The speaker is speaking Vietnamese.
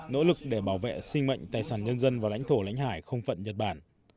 nỗ lực để bảo vệ sinh mệnh tài sản nhân dân và lãnh thổ lãnh hải không phận nhật bản